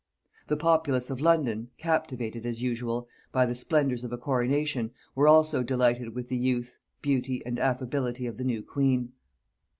The populace of London, captivated, as usual, by the splendors of a coronation, were also delighted with the youth, beauty, and affability of the new queen.